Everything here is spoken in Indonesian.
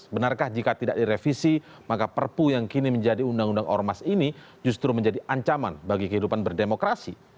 benarkah jika tidak direvisi maka perpu yang kini menjadi undang undang ormas ini justru menjadi ancaman bagi kehidupan berdemokrasi